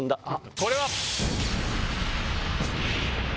これは？